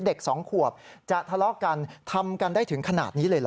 เด็กสองขวบจะทะเลาะกันทำกันได้ถึงขนาดนี้เลยเหรอ